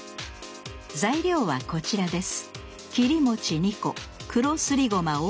材料はこちらです